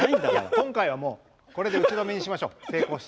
今回は、これで打ち止めにしましょう。